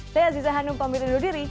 saya aziza hanum pemerintah daudiri